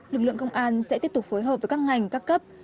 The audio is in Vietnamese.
lực lượng công an sẽ tiếp tục phối hợp với các ngành các cấp